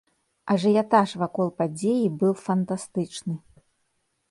Ажыятаж вакол падзеі быў фантастычны.